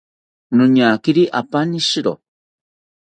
Noñakiri apaani shiro